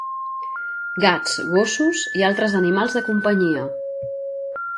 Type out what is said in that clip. Gats, gossos i altres animals de companyia.